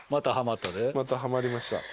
またはまりました。